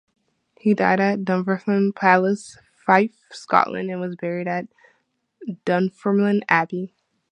He died at Dunfermline Palace, Fife, Scotland and was buried at Dunfermline Abbey.